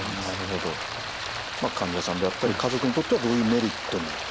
患者さんであったり家族にとってはどういうメリットに。